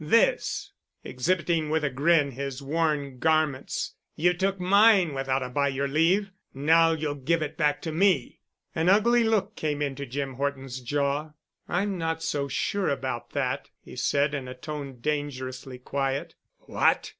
This——!" exhibiting with a grin his worn garments. "You took mine without a by your leave. Now you'll give it back to me." An ugly look came into Jim Horton's jaw. "I'm not so sure about that," he said in a tone dangerously quiet. "What!